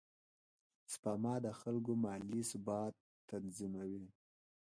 سپما د خلکو مالي ثبات تضمینوي.